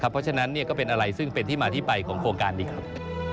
เพราะฉะนั้นก็เป็นอะไรซึ่งเป็นที่มาที่ไปของโครงการนี้ครับ